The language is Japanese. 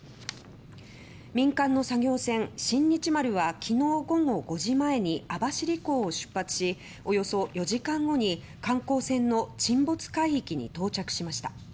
民間の作業船「新日丸」は昨日午後５時前に網走港を出発しおよそ４時間後に観光船の沈没海域に到着しました。